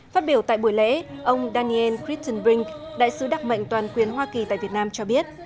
phát biểu tại buổi lễ ông daniel christenbrink đại sứ đặc mệnh toàn quyền hoa kỳ tại việt nam cho biết